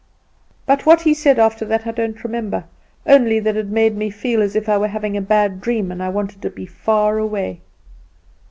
"But what he said after that I don't remember, only it made me feel as if I were having a bad dream, and I wanted to be far away.